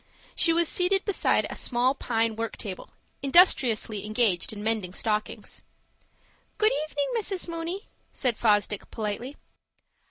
She was seated beside a small pine work table, industriously engaged in mending stockings. "Good evening, Mrs. Mooney," said Fosdick, politely.